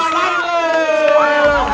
curang itu nih